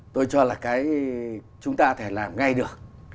tôi cho là cái chúng ta thể làm ngay được